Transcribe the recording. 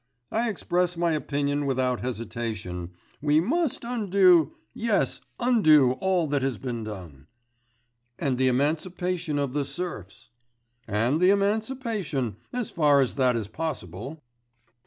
I express my opinion without hesitation; we must undo ... yes ... undo all that has been done.' 'And the emancipation of the serfs.' 'And the emancipation ... as far as that is possible.